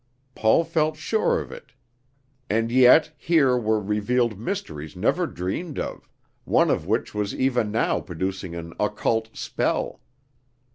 Paul felt sure of it. And yet here were revealed mysteries never dreamed of; one of which was even now producing an occult spell.